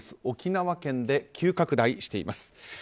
沖縄県で急拡大しています。